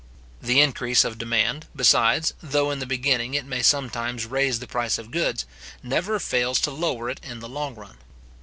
The increase of demand, besides, though in the beginning it may sometimes raise the price of goods, never fails to lower it in the long run.